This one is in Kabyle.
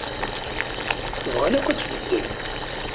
Bɣan akk ad tbeddel.